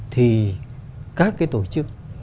thì các cái tổ chức